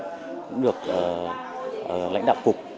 cũng được lãnh đạo cục